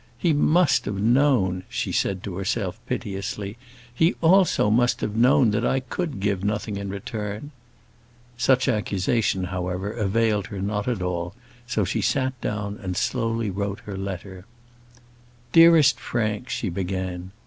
"He also must have known," she said to herself, piteously, "he also must have known that I could give nothing in return." Such accusation, however, availed her not at all, so she sat down and slowly wrote her letter. "Dearest Frank," she began.